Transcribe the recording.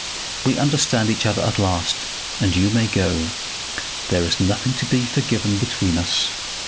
We understand each other at last, and you may go. There is nothing to be forgiven between us."